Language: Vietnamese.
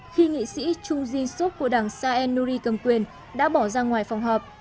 khi nghị sĩ chung jin suk của đảng saenuri cầm quyền đã bỏ ra ngoài phòng họp